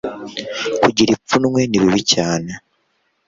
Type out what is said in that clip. kugira ipfunwe ni bibi cyane".